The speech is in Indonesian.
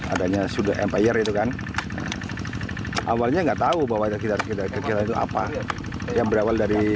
adanya sudut empire itu kan awalnya enggak tahu bahwa kita kecil itu apa yang berawal dari